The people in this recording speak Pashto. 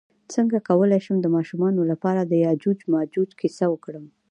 څنګه کولی شم د ماشومانو لپاره د یاجوج ماجوج کیسه وکړم